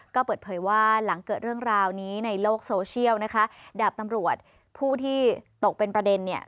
ก็เปิดเผยว่าหลังเกิดเรื่องราวนี้ในโลกโซเชียลนะคะดาบตำรวจผู้ที่ตกเป็นประเด็นเนี่ย